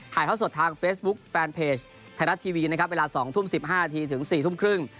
เท่าสดทางเฟซบุ๊คแฟนเพจไทยรัฐทีวีนะครับเวลา๒ทุ่ม๑๕นาทีถึง๔ทุ่มครึ่ง